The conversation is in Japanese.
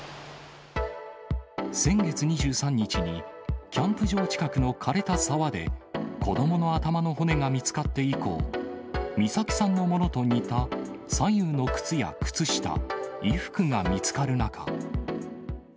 先月２３日に、キャンプ場近くのかれた沢で、子どもの頭の骨が見つかって以降、美咲さんのものと似た左右の靴や靴下、衣服が見つかる中。